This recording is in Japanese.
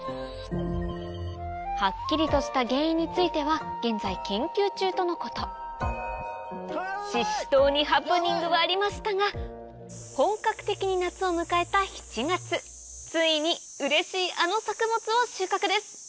ハッキリとした原因については現在研究中とのことシシトウにハプニングはありましたが本格的に夏を迎えた７月ついにうれしいあの作物を収穫です